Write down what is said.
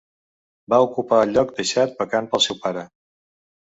Va ocupar el lloc deixat vacant pel seu pare.